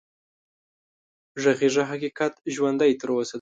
غږېږه حقيقت ژوندی تر اوسه دی